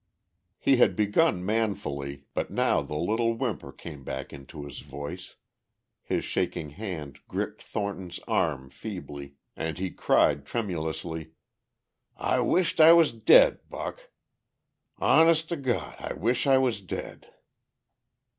He had begun manfully, but now the little whimper came back into his voice, his shaking hand gripped Thornton's arm feebly, and he cried tremulously, "I wisht I was dead, Buck. Hones' to Gawd, I wisht I was dead!"